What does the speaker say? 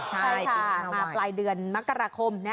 ใช่ค่ะมาปลายเดือนมกราคม